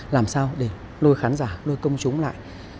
làm sao để nuôi khán giả nuôi công chúng lại